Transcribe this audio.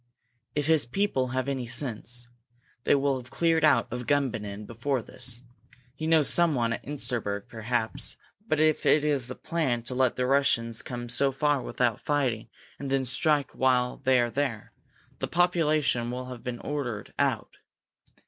"If his people have any sense, they will have cleared out of Gumbinnen before this. He knows someone at Insterberg, perhaps, but if it is the plan to let the Russians come so far without fighting and then strike while they are there, the population will have been ordered out.